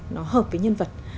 nó hợp với nhân vật